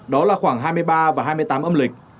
đó là khoảng hai mươi ba và hai mươi tám âm lịch